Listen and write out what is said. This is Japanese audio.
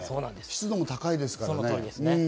湿度も高いですから。